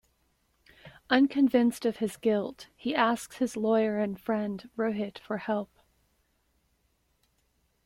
Unconvinced of his guilt, he asks his lawyer and friend Rohit for help.